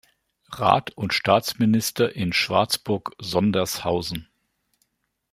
Rat und Staatsminister in Schwarzburg-Sondershausen.